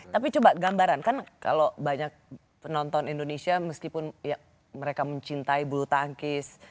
tapi coba gambaran kan kalau banyak penonton indonesia meskipun mereka mencintai bulu tangkis